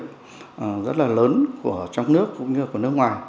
tổng số các nhà máy nhiệt điện rất là lớn của trong nước cũng như của nước ngoài